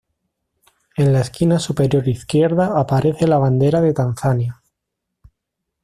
En la esquina superior izquierda aparece la bandera de Tanzania.